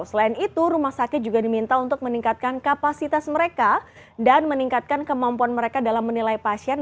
selain itu rumah sakit juga diminta untuk meningkatkan kapasitas mereka dan meningkatkan kemampuan mereka dalam menilai pasien